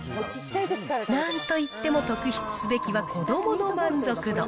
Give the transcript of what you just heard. なんといっても特筆すべきは子どもの満足度。